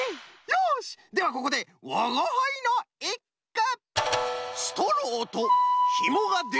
よしではここでわがはいのいっく！